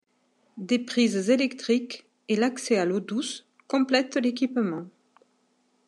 Des prises électriques et l'accès à l'eau douce complètent l'équipement.